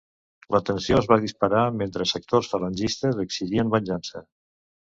La tensió es va disparar, mentre sectors falangistes exigien venjança.